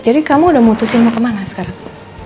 jadi kamu udah mutusin mau kemana sekarang